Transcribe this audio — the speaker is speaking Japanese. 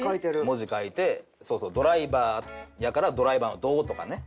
文字書いてそうそうドライバーやからドライバーの「ど」とかね。